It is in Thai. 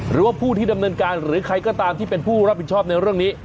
หรือว่าผู้ที่ดำเนินการหรือใครก็ตามที่เป็นผู้รับผิดชอบในเรื่องนี้